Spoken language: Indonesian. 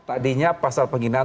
tadinya pasal pengginaan